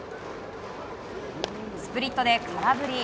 スプリットで空振り。